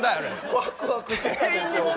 ワクワクするでしょ。